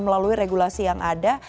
melalui regulasi yang ada